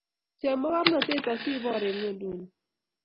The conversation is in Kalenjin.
cheng makornatet asibor eng ng'wenduni